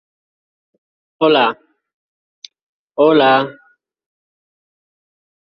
Su idioma es el Amis.